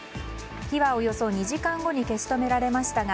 火はおよそ２時間後に消し止められましたが